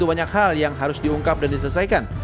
banyak hal yang harus diungkap dan diselesaikan